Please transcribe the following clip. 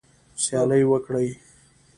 سیالي وکړئ